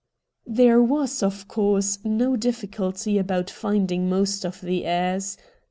There was, of course, no difficulty about finding most of the heirs.